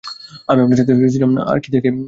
আমি আপনার সাথে ছিলাম না, আর কী থেকে কী হয়ে গেলো।